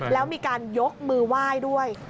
แล้วมีการยกมือไหว้ด้วย